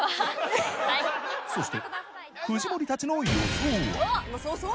そして藤森たちの予想は。